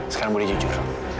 sekarang budi jujur